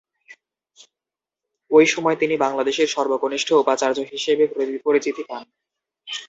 ওই সময়ে তিনি বাংলাদেশের সর্বকনিষ্ঠ উপাচার্য হিসেবে পরিচিতি পান।